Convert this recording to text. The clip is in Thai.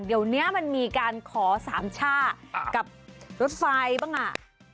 เดี๋ยวนี้มันมีการขอสามช่ากับรถไฟบ้างอ่ะ